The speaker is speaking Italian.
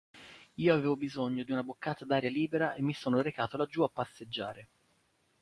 Io avevo bisogno di una boccata d'aria libera e mi sono recato laggiù a passeggiare.